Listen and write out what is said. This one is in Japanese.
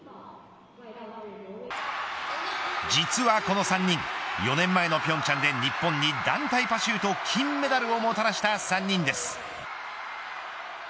実はこの３人４年前の平昌で日本に団体パシュート金メダルをもたらした３人です。